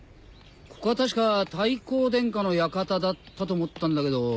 ここは確か大公殿下の館だったと思ったんだけど。